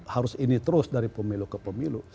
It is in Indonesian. harus ini terus dari pemilu ke pemilu